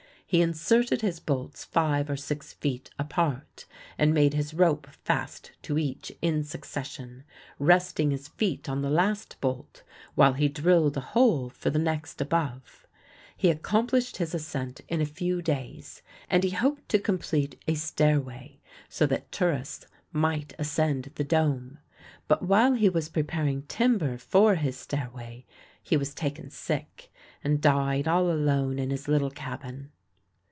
He inserted his bolts five or six feet apart, and made his rope fast to each in succession, resting his feet on the last bolt while he drilled a hole for the next above. He accomplished his ascent in a few days; and he hoped to complete a stairway, so that tourists might ascend the Dome. But while he was preparing timber for his stairway he was taken sick, and died all alone in his little cabin.